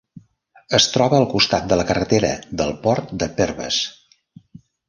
Es troba al costat de la carretera del port de Perves.